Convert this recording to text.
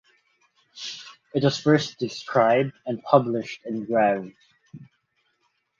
It was first described and published in Rev.